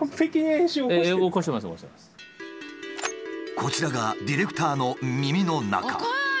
こちらがディレクターの耳の中。